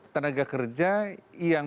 tenaga kerja yang